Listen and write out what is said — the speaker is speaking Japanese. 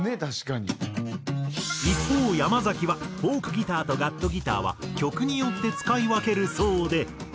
一方山崎はフォークギターとガットギターは曲によって使い分けるそうで。